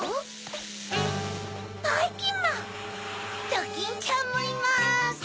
ドキンちゃんもいます！